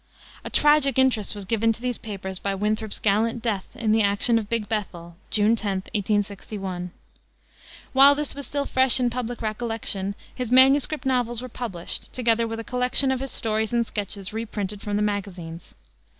A tragic interest was given to these papers by Winthrop's gallant death in the action of Big Bethel, June 10, 1861. While this was still fresh in public recollection his manuscript novels were published, together with a collection of his stories and sketches reprinted from the magazines.